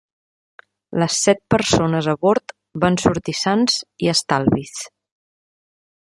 Les set persones a bord van sortir sans i estalvis.